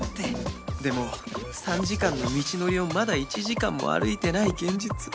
でも３時間の道のりをまだ１時間も歩いてない現実